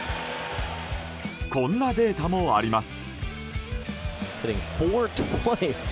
こんなデータもあります。